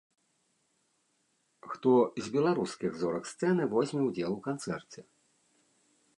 Хто з беларускіх зорак сцэны возьме ўдзел у канцэрце?